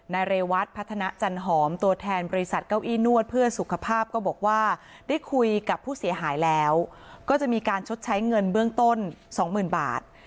เรวัตพัฒนาจันหอมตัวแทนบริษัทเก้าอี้นวดเพื่อสุขภาพก็บอกว่าได้คุยกับผู้เสียหายแล้วก็จะมีการชดใช้เงินเบื้องต้นสองหมื่นบาท